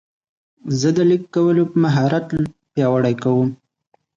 زه د لیک کولو مهارت پیاوړی کوم.